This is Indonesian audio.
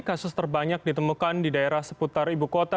kasus terbanyak ditemukan di daerah seputar ibu kota